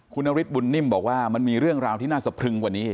คุณนฤทธบุญนิ่มบอกว่ามันมีเรื่องราวที่น่าสะพรึงกว่านี้